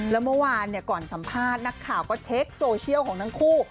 แล้วเมื่อวานก่อนสัมภาษณ์นักข่าวก็เช็คโซเชียลของทั้งคู่